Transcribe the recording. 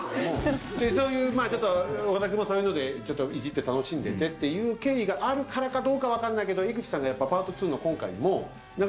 そういうまぁちょっと岡田君もそういうのでイジって楽しんでっていう経緯があるからかどうか分かんないけど江口さんがやっぱパート２の。